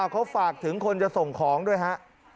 เขาฝากถึงคนจะส่งของด้วยฮะ